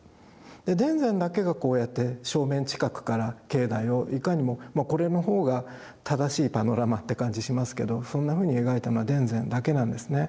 田善だけがこうやって正面近くから境内をいかにもこれの方が正しいパノラマって感じしますけどそんなふうに描いたのは田善だけなんですね。